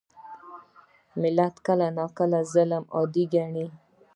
ملت کله ناکله ظالم عادي ګڼي.